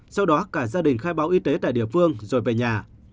sau đó cả gia đình khai báo y tế tại địa phương rồi về nhà